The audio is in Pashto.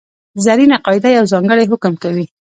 زرینه قاعده یو ځانګړی حکم کوي.